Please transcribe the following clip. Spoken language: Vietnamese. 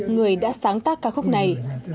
người đã sáng tác ca khúc này